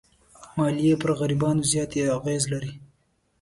مالیې پر غریبانو زیات اغېز لري.